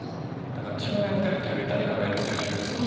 何か自分がやってるっていうより誰かがやってるにおいが好き。